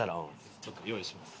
ちょっと用意します。